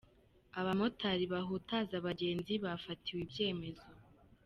Abamotari bahutaza abagenzi bafatiwe ibyemezo